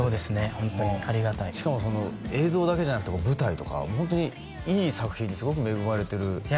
ホントにありがたいしかも映像だけじゃなくて舞台とかホントにいい作品にすごく恵まれてるいや